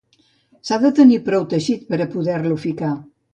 S'ha de tenir prou teixit per a poder-lo ficar.